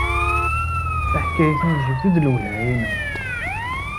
Taḥkayt-nni tejbed-d lwelha-inu.